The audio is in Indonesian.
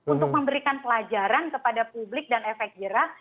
untuk memberikan pelajaran kepada publik dan efek jerah